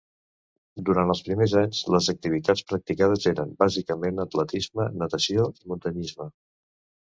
Durant els primers anys les activitats practicades eren bàsicament atletisme, natació i muntanyisme.